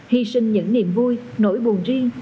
hy sinh những niềm vui nỗi buồn riêng